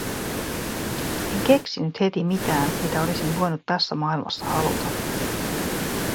En keksinyt heti mitään, mitä olisin voinut tässä maailmassa haluta.